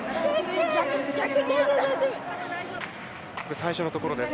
最初のところです。